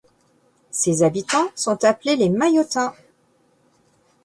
Ses habitants sont appelés les Maillotins.